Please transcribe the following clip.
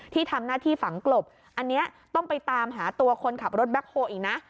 ที่ทำหน้าที่ฝังกลบอันนี้ต้องไปตามหาตัวคนขับรถแบ็คโฮลอีกนะ